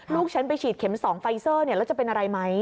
ลูกฉันไปฉีดเข็ม๒ไฟเซอร์แล้วจะเป็นอะไรไหม